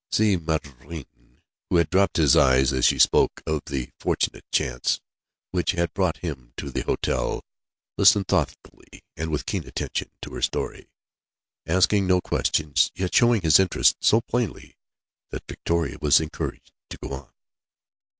Si Maïeddine who had dropped his eyes as she spoke of the fortunate chance which had brought him to the hotel, listened thoughtfully and with keen attention to her story, asking no questions, yet showing his interest so plainly that Victoria was encouraged to go on.